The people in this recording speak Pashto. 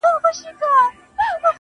افسوس كوتر نه دى چي څوك يې پـټ كړي~